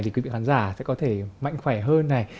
thì quý vị khán giả sẽ có thể mạnh khỏe hơn này